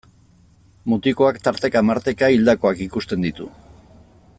Mutikoak tarteka-marteka hildakoak ikusten ditu.